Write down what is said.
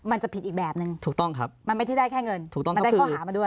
มันจะผิดอีกแบบนึงมันไม่ได้แค่เงินมันได้ข้อหามาด้วยถูกต้องครับ